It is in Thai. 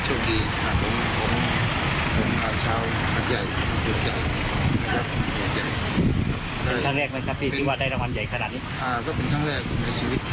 อืม